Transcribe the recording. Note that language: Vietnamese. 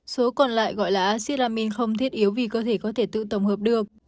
số còn lại gọi là acid amine không thiết yếu vì cơ thể có thể tự tổng hợp được